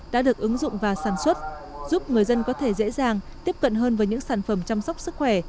đã được ứng dụng và sản xuất giúp người dân có thể dễ dàng tiếp cận hơn với những sản phẩm chăm sóc sức khỏe